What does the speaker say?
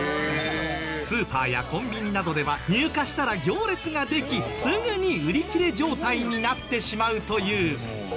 スーパーやコンビニなどでは入荷したら行列ができすぐに売り切れ状態になってしまうという。